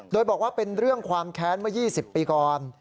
โดยบอกว่าเป็นเรื่องความแค้นเมื่อ๒๐ปีก่อน